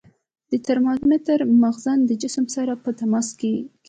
د ترمامتر مخزن د جسم سره په تماس کې ږدو.